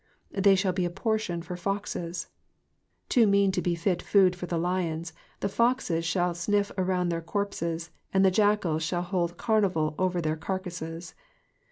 ^^They nhallbe a portion for foxes,^'* Too mean to be fit food for the lions, the foxes shall sniff around their corpses, and the jackals shall hold carnival over their carcasses.